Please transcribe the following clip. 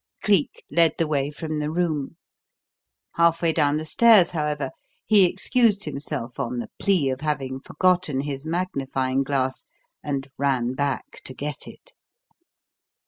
Cleek led the way from the room. Halfway down the stairs, however, he excused himself on the plea of having forgotten his magnifying glass, and ran back to get it.